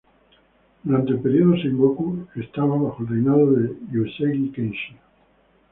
Durante el período Sengoku estaba bajo el reinado de Uesugi Kenshin.